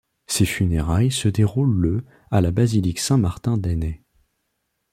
Ses funérailles se déroulent le à la basilique Saint-Martin d'Ainay.